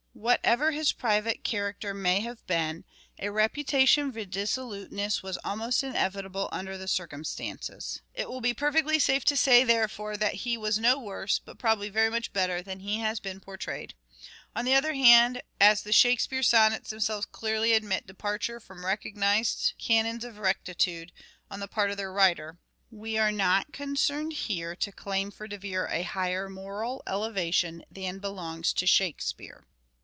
Whatever his private character may have been, a reputation for dissoluteness was almost inevitable under the circumstances. It will be perfectly safe to say, therefore, that he was no worse, but probably very much better, than he has been portrayed. On the other hand, as the Shake speare sonnets themselves clearly admit departures from recognized canons of rectitude, on the part of their writer, we are not concerned here to claim for De Vere a higher moral elevation than belongs to 20 306 " SHAKESPEARE " IDENTIFIED Shakespeare.